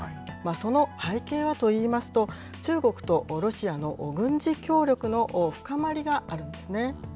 その背景はといいますと、中国とロシアの軍事協力の深まりがあるんですね。